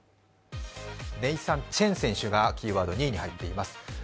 ネイサン・チェン選手がキーワードになっています。